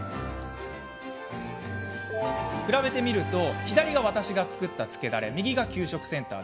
比べて見てみると左が、私が作った漬けダレ右が給食センター。